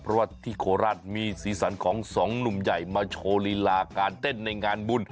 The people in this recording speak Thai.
เพราะว่าที่โคราชมีสีสันของสองหนุ่มใหญ่มาโชว์ลีลาการเต้นในงานบุญ